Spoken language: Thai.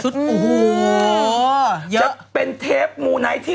เท่านั้นถ้าพี่ม้าไม่ไป